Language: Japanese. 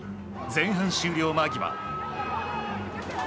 前半終了間際。